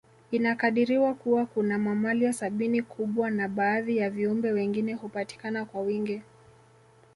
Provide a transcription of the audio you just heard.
Inakadiriwa Kuwa kuna mamalia sabini kubwa na baadhi ya viumbe wengine hupatikana kwa wingi